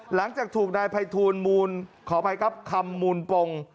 หลังจากถูกนายภัยทูลมูลขออภัยครับคำมูลปง